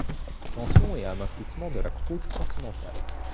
Distension et amincissement de la croûte continentale.